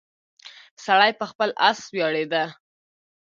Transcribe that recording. سړی په خپل اس ویاړیده.